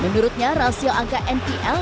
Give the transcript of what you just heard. menurutnya rasio angka npl